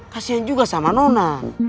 kasian juga sama nona